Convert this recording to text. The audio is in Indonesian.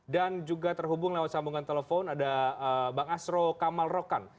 dan juga terhubung lewat sambungan telepon ada bang asro kamal rokan